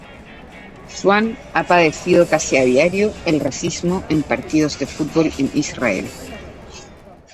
Suan ha padecido casi a diario el racismo en partidos de fútbol en Israel.